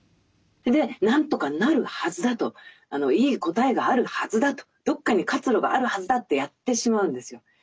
で「何とかなるはずだ」と「いい答えがあるはずだ」と「どこかに活路があるはずだ」ってやってしまうんですよ。